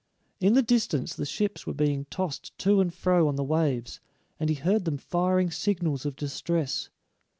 In the distance the ships were being tossed to and fro on the waves, and he heard them firing signals of distress.